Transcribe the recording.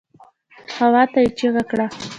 هواته يې چيغه کړه.